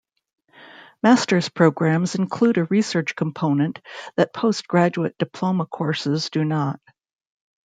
Masters programs include a research component that Postgraduate Diploma courses do not.